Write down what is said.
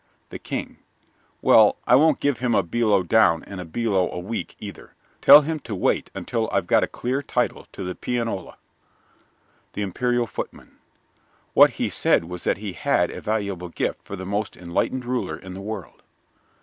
THE KING Well, I won't give him a bealo down and a bealo a week either. Tell him to wait until I've got a clear title to the pianola. THE IMPERIAL FOOTMAN What he said was that he had a valuable gift for the most enlightened ruler in the world.